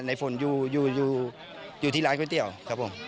ในฝนอยู่อยู่อยู่อยู่ที่ร้านก๋วยเตี้ยวครับผม